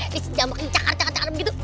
nih senjambak ini cakar cakar gitu